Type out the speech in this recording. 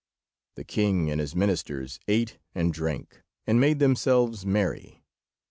The king and his ministers ate and drank, and made themselves merry.